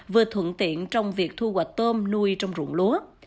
vừa thuận tiện trong việc thu hoạch tôm nuôi trong rụng lúa